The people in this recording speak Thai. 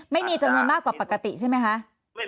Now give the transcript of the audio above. ไม่มีจะมีมากกว่าปกติใช่ไหมคะ